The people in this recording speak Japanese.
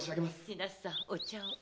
千奈津さんお茶を。